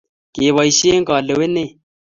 Keboisie kalewenee